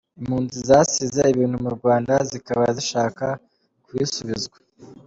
Impunzi zasize ibintu mu Rwanda zikaba zishaka kubisubizwa